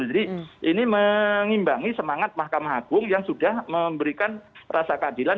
ini mengimbangi semangat mahkamah agung yang sudah memberikan rasa keadilan